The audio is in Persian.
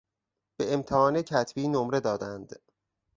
به امتحان کتبی نمره دادن